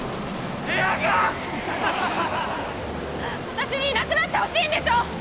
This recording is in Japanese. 私にいなくなってほしいんでしょ！？